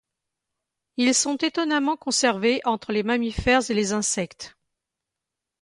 Ils sont étonnamment conservés entre les mammifères et les insectes.